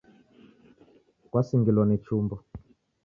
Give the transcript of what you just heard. Kwasingilwa ni chumbo